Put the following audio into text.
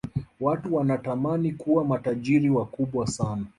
watu wanatamani kuwa matajiri wakubwa sana